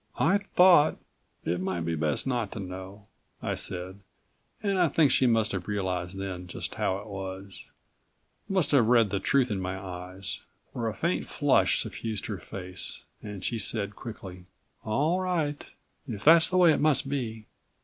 I thought " "It might be best not to know," I said, and I think she must have realized then just how it was, must have read the truth in my eyes, for a faint flush suffused her face and she said quickly: "All right. If that's the way it must be."